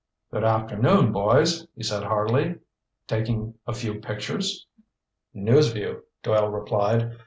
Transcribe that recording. "Good afternoon, boys," he said heartily. "Taking a few pictures?" "News Vue," Doyle replied.